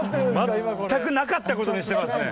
全くなかった事にしてますね。